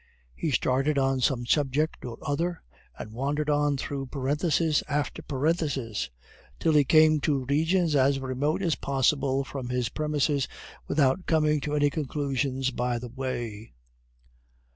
He started on some subject or other, and wandered on through parenthesis after parenthesis, till he came to regions as remote as possible from his premises without coming to any conclusions by the way.